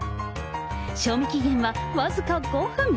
賞味期限は僅か５分。